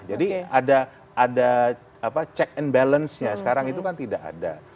jadi ada check and balance nya sekarang itu kan tidak ada